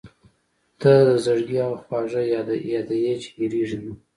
• ته د زړګي هغه خواږه یاد یې چې هېرېږي نه.